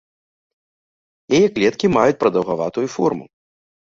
Яе клеткі маюць прадаўгаватую форму.